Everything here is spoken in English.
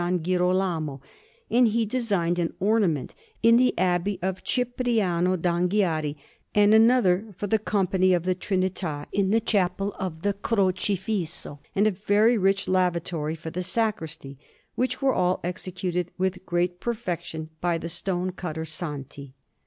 Girolamo; and he designed an ornament in the Abbey of Cipriano d' Anghiari, and another for the Company of the Trinità in the Chapel of the Crocifisso, and a very rich lavatory for the sacristy; which were all executed with great perfection by the stone cutter Santi.